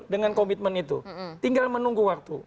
dengan komitmen itu tinggal menunggu waktu